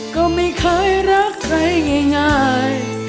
ก็ไม่เคยรักใครง่าย